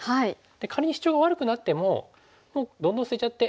仮にシチョウが悪くなってももうどんどん捨てちゃって。